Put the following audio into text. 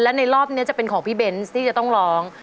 และในรอบนี้จะเป็นของพี่เบนส์ที่จะต้องร้อง